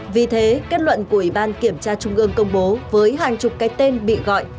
vì thế kết luận của ủy ban kiểm tra trung ương công bố với hàng chục cái tên bị gọi